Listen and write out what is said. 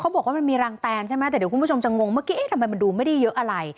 บอกว่ามันมีรังแตนใช่ไหมแต่เดี๋ยวคุณผู้ชมจะงงเมื่อกี้เอ๊ะทำไมมันดูไม่ได้เยอะอะไร